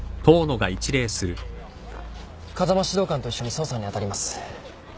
風間指導官と一緒に捜査に当たります。